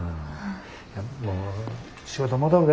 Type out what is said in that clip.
もう仕事戻るで。